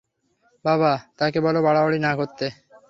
বাবা, তাকে বলো বাড়াবাড়ি না করতে।